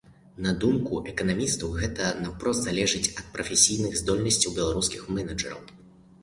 На думку эканамістаў, гэта наўпрост залежыць ад прафесійных здольнасцяў беларускіх менеджараў.